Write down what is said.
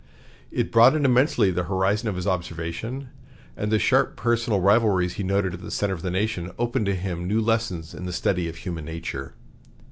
It broadened immensely the horizon of his observation, and the sharp personal rivalries he noted at the center of the nation opened to him new lessons in the study of human nature.